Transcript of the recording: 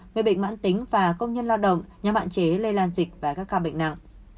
người bệnh mãn tính và công nhân lao động nhằm hạn chế lây lan dịch và các ca bệnh nặng